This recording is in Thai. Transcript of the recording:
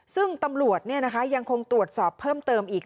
ซึ่งตำรวจยังคงตรวจสอบเพิ่มเติมอีก